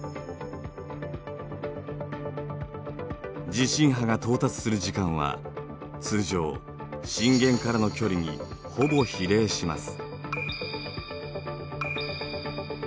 地震波が到達する時間は通常震源からの距離にほぼ比例します。